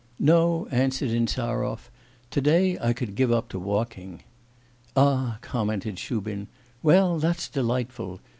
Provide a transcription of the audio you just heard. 'No,' answered Insarov; 'to day I could give up to walking.' 'Ah!' commented Shubin. 'Well, that's delightful.